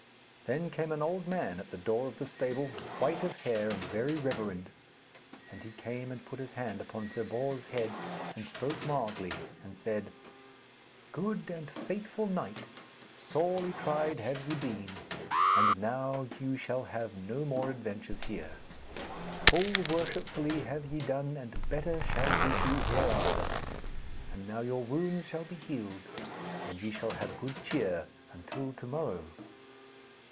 Then came an old man at the door of the stable, white of hair and very reverend; and he came and put his hand upon Sir Bors' head and spoke mildly and said: 'Good and faithful knight, sorely tried have ye been, and now you shall have no more adventures here. Full worshipfully have ye done and better shall ye do hereafter. And now your wounds shall be healed and ye shall have good cheer until to morrow.'